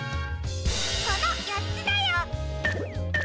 このよっつだよ！